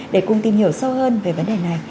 để cùng tìm hiểu sâu hơn về vấn đề này